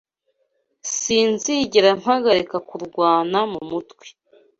Sinzigera mpagarika kurwana mu mutwe